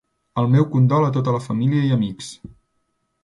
El meu condol a tota la família i amics.